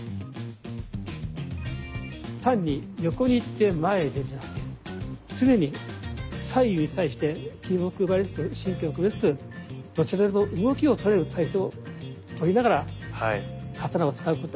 単に横に行って前へ出るんじゃなくて常に左右に対して気を配りつつ神経を配りつつどちらにも動きを取れる体勢をとりながら刀を使うこと。